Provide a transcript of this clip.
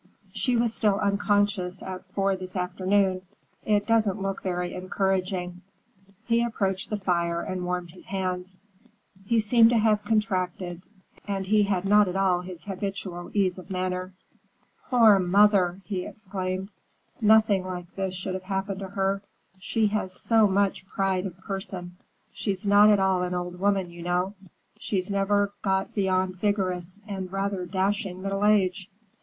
"She was still unconscious at four this afternoon. It doesn't look very encouraging." He approached the fire and warmed his hands. He seemed to have contracted, and he had not at all his habitual ease of manner. "Poor mother!" he exclaimed; "nothing like this should have happened to her. She has so much pride of person. She's not at all an old woman, you know. She's never got beyond vigorous and rather dashing middle age."